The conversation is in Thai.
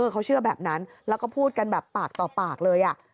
เขาเชื่อแบบนั้นแล้วก็พูดกันแบบปากต่อปากเลย